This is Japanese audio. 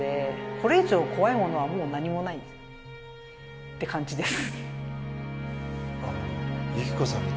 これ以上、怖いものはもう何もないって感じです。